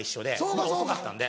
僕遅かったんで。